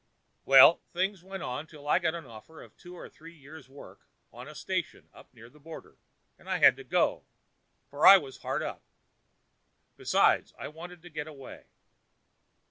"Well, things went on till I got the offer of two or three years' work on a station up near the border, and I had to go, for I was hard up; besides, I wanted to get away.